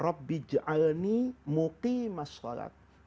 rabbija'alni mukim as sholatah